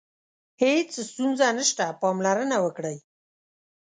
هیڅ ستونزه نشته، پاملرنه وکړئ.